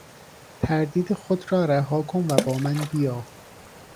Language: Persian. تردید خود را رها کن و با من بیا.